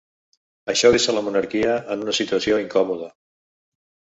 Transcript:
Això deixa la monarquia en una situació incòmoda.